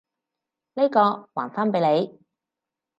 呢個，還返畀你！